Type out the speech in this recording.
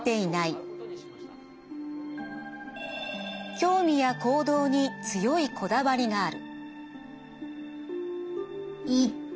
興味や行動に強いこだわりがある。